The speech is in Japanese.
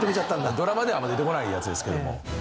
ドラマではあんま出てこないやつですけども。